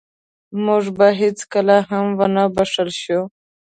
موږ به هېڅکله هم ونه بښل شو.